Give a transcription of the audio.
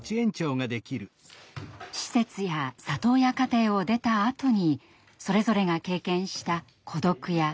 施設や里親家庭を出たあとにそれぞれが経験した孤独や不安。